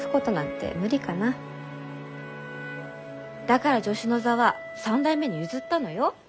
だから助手の座は３代目に譲ったのよ。